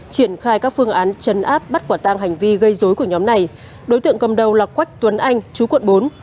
triển khai các phương án chấn áp bắt quả tang hành vi gây dối của nhóm này đối tượng cầm đầu là quách tuấn anh chú quận bốn